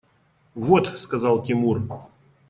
– Вот! – сказал Тимур.